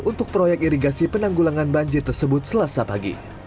untuk proyek irigasi penanggulangan banjir tersebut selasa pagi